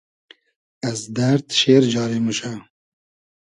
از دئرد شېر جاری موشۂ